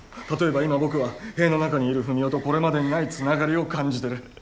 例えば今僕は塀の中にいる文雄とこれまでにないつながりを感じてる。